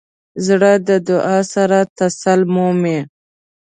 زړه د دعا سره تسل مومي.